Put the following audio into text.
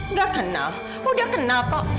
nggak kenal udah kenal kok